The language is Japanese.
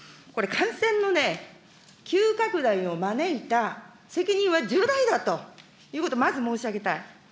これ、感染の急拡大を招いた責任は重大だということを、まず申し上げたい。